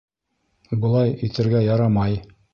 Былай итергә ярамай.